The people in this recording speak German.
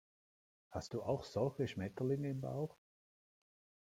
Hast du auch solche Schmetterlinge im Bauch?